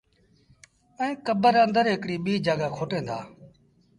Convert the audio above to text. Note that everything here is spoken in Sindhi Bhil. ائيٚݩ ڪبر آݩدر هڪڙيٚ ٻيٚ جآڳآ کوٽين دآ